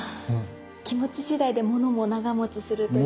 気持ち次第でものも長もちするというか。